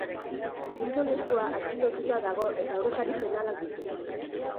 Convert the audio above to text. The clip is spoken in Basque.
Gizonezkoa atxilotuta dago eta aurrekari penalak ditu.